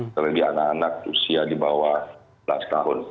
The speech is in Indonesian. terlebih anak anak usia di bawah dua belas tahun